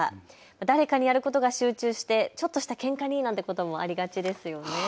誰かにやることが集中してちょっとしたけんかになんてこともありがちですよね。